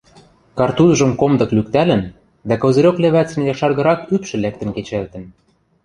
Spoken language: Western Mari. Картузшым комдык лӱктӓлӹн, дӓ козырёк лӹвӓцӹн якшаргырак ӱпшӹ лӓктӹн кечӓлтӹн.